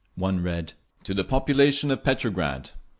One read: To the Population of Petrograd!